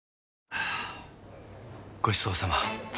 はぁごちそうさま！